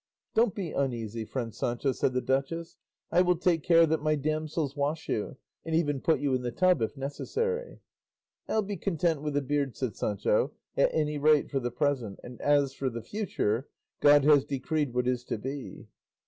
"Don't be uneasy, friend Sancho," said the duchess; "I will take care that my damsels wash you, and even put you in the tub if necessary." "I'll be content with the beard," said Sancho, "at any rate for the present; and as for the future, God has decreed what is to be."